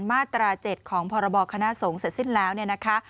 มาตรา๗ของพรบคณะสงฆ์เสร็จสิ้นแล้วเนี่ยนะคะ